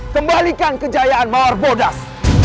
kembalikan kejayaan mahar bodas